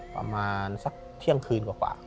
ประมาณสักเที่ยงคืนกว่า